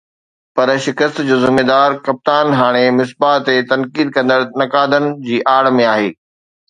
پر شڪست جو ”ذميدار“ ڪپتان هاڻي مصباح تي تنقيد ڪندڙ نقادن جي آڙ ۾ آهي.